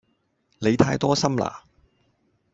你太多心啦